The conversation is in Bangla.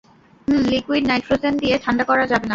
হুম - লিকুইড নাইট্রোজেন দিয়ে ঠান্ডা করা যাবে না?